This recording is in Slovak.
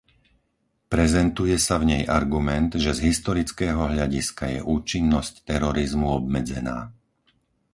Prezentuje sa v nej argument, že z historického hľadiska je účinnosť terorizmu obmedzená.